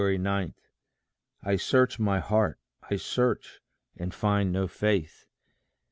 I search my heart I search, and find no faith.